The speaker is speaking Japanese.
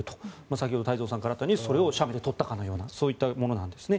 先ほど太蔵さんからあったようにそれを写メで撮ったかのようなそういったものなんですね。